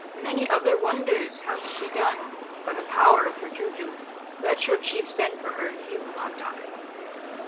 Many other wonders has she done by the power of her juju. Let your chief send for her and he will not die."